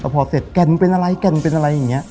พอเสร็จแก่นเป็นอะไรแก่นเป็นอะไรอย่างนี้